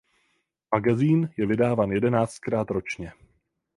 Magazín je vydáván jedenáctkrát ročně.